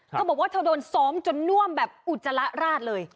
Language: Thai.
เธอบอกว่าเธอโดนซ้อมจนน่วมแบบอุจจาระราดเลย